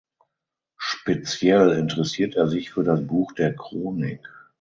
Speziell interessiert er sich für das Buch der Chronik.